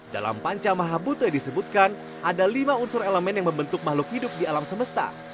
dalam panca maha bute disebutkan ada lima unsur elemen yang membentuk makhluk hidup di alam semesta